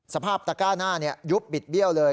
สภาพตะก้าหน้ายุบบิดเบี้ยวเลย